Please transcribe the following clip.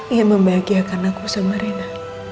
ingin membahagiakan aku sama reina